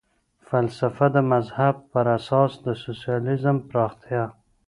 فلسفه د مذهب پر اساس د سوسیالیزم پراختیا.